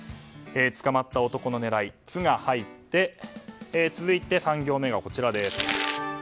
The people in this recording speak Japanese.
捕まった男の狙い「ツ」が入って続いて３行目はこちらです。